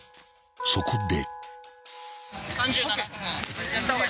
そこで］